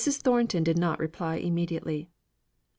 Thornton did not reply immediately.